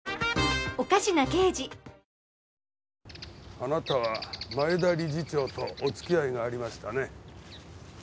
あなたは前田理事長とお付き合いがありましたね。